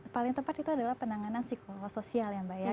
paling tepat itu adalah penanganan psikosoial ya mbak ya